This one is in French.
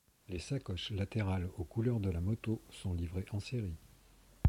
Les sacoches latérales aux couleurs de la moto sont livrées en série.